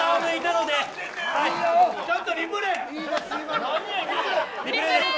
ちょっとリプレー。